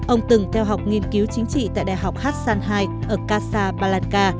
ông từng theo học nghiên cứu chính trị tại đại học hassan ii ở casablanca